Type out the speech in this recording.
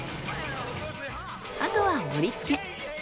あとは盛りつけ。